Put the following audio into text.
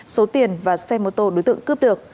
số tiền và xe mô tô đối tượng cướp được